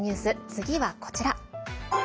次はこちら。